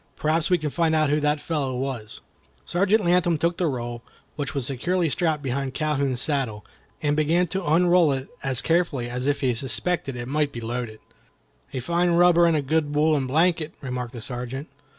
Perhaps we can find out who the fellow was." Sergeant Latham took the roll, which was securely strapped behind Calhoun's saddle, and began to unroll it as carefully as if he suspected it might be loaded. "A fine rubber and a good woollen blanket," remarked the Sergeant.